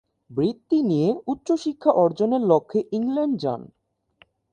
বৃত্তি নিয়ে উচ্চ শিক্ষা অর্জনের লক্ষ্যে ইংল্যান্ড যান।